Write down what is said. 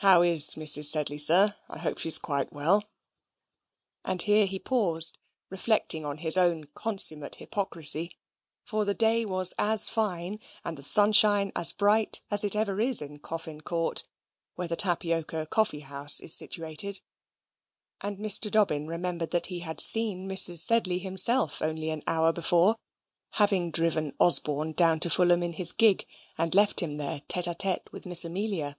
How is Mrs. Sedley, sir? I hope she's quite well." And here he paused, reflecting on his own consummate hypocrisy; for the day was as fine, and the sunshine as bright as it ever is in Coffin Court, where the Tapioca Coffee house is situated: and Mr. Dobbin remembered that he had seen Mrs. Sedley himself only an hour before, having driven Osborne down to Fulham in his gig, and left him there tete a tete with Miss Amelia.